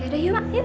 yaudah yuk mah yuk